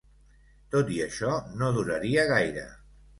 Tot i això, no duraria gaire.